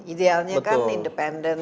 idealnya kan independent